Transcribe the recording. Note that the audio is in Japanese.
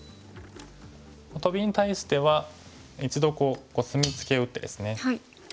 トビに対しては一度コスミツケを打ってですね。